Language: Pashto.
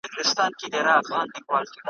په دوی واړو کي چي مشر وو غدار وو `